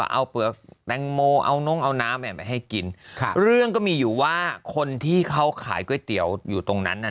เอาเปรือกแตงโม้เอานมน้ำให้กินเรื่องก็มีอยู่ว่าคนที่เขาขายก๋วยเตี๋ยวอยู่